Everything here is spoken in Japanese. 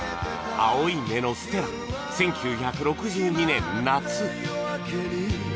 『青い瞳のステラ、１９６２年夏』